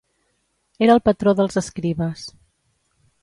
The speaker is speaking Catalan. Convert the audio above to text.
Era el patró dels escribes.